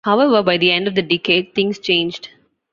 However, by the end of the decade, things changed.